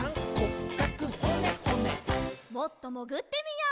もっともぐってみよう！